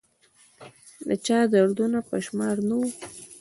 د چا دردونه په شمار نه وه